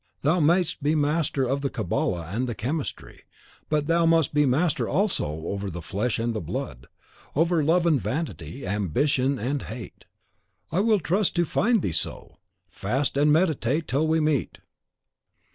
Thou mayst be master of the Cabala and the Chemistry; but thou must be master also over the Flesh and the Blood, over Love and Vanity, Ambition and Hate. I will trust to find thee so. Fast and meditate till we meet!"